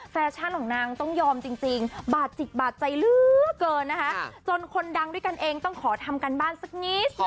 แฟชั่นของนางต้องยอมจริงบาดจิกบาดใจเหลือเกินนะคะจนคนดังด้วยกันเองต้องขอทำการบ้านสักนิด